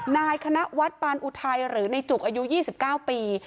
นายคณะวัฒน์ปานอุทัยหรือในจุกอายุ๒๙ปี